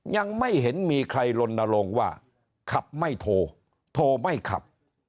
ยังไม่เห็นมีใครลนลงว่าขับไม่โทรโทรไม่ขับ